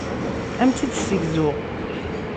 Ad am-tt-id-ssegzuɣ.